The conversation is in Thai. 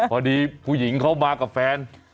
พอดีผู้หญิงเขามากับแฟน